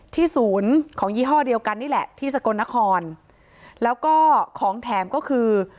ศูนย์ของยี่ห้อเดียวกันนี่แหละที่สกลนครแล้วก็ของแถมก็คือ